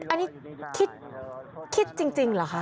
อันนี้คิดจริงเหรอคะ